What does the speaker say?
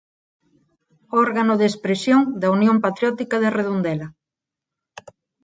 Órgano de expresión da Unión Patriótica de Redondela.